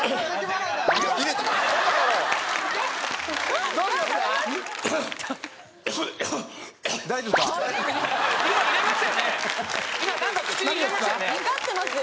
わかってますよ。